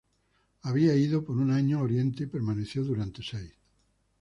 Había ido por un año a Oriente y permaneció durante seis.